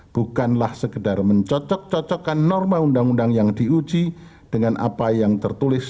bukanlah sekedar mencocok cocokkan norma undang undang yang diuji dengan apa yang tertulis